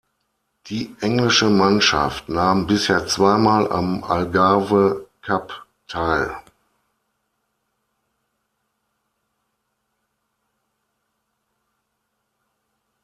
Die englische Mannschaft nahm bisher zweimal am Algarve-Cup teil.